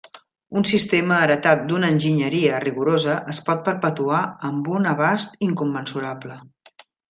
Un sistema heretat d'una enginyeria rigorosa es pot perpetuar amb un abast incommensurable.